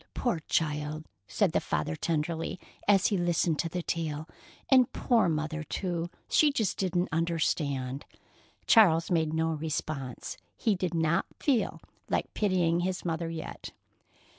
Poor child!" said the father tenderly, as he listened to the tale. "And poor Mother, too; she just didn't understand." Charles made no response. He did not feel like pitying his mother yet.